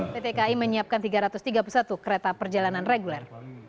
pt kai menyiapkan tiga ratus tiga puluh satu kereta perjalanan reguler